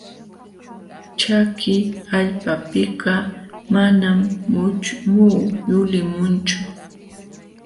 Chaki allpapiqa manam muhu yulimunchu.